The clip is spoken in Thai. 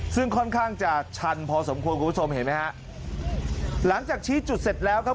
ซึ่งค่อนข้างจะชันพอสมควรคุณผู้ชมเห็นไหมฮะหลังจากชี้จุดเสร็จแล้วครับ